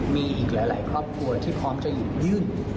มีอีกหลายครอบครัวที่พร้อมจะหยิบยื่น